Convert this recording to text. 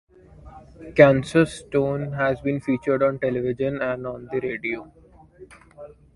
Kansas Stone has been featured on television and on the radio.